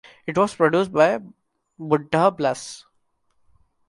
It was produced by Buddah Bless.